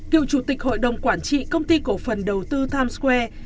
cựu chủ tịch hội đồng quản trị công ty cổ phần đầu tư times square